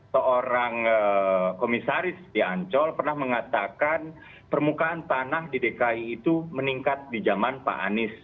seorang komisaris di ancol pernah mengatakan permukaan tanah di dki itu meningkat di zaman pak anies